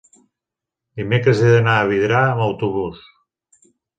dimecres he d'anar a Vidrà amb autobús.